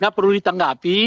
gak perlu ditanggapi